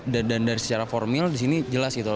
dan dari secara formil di sini jelas gitu